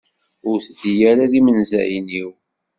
Ur teddi ara d imenzayen-iw.